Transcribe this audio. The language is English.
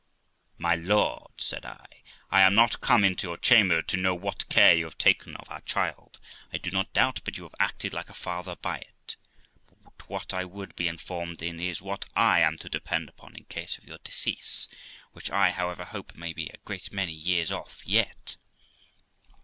'My lord', said I, 'I am not come into your chamber to know what care you have taken of our child. I do not doubt but you have acted like a father by it. What I would be informed in is, what I am to depend upon in case of your decease; which I, however, hope may be a great many years off yet.'